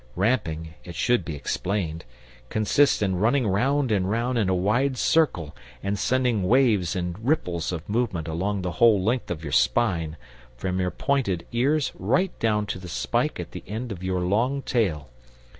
Ramping, it should be explained, consists in running round and round in a wide circle, and sending waves and ripples of movement along the whole length of your spine, from your pointed ears right down to the spike at the end of your long tail.